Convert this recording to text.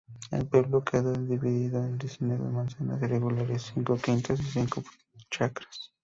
El pueblo quedó dividido en diecinueve manzanas irregulares, cinco quintas y cinco chacras.